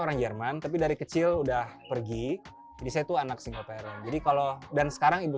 orang jerman tapi dari kecil udah pergi jadi saya tuh anak single parent jadi kalau dan sekarang ibu